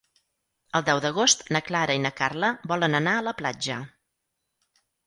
El deu d'agost na Clara i na Carla volen anar a la platja.